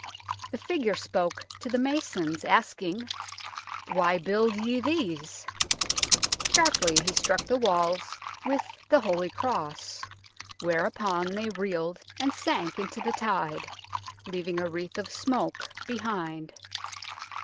The figure spoke to the masons, asking, " Why build ye these ?" Sharply he struck the walls with the holy cross, whereupon they reeled and sank into the tide, leaving a wreath of smoke behind.